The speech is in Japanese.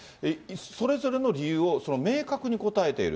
それぞれの理由を明確に答えている。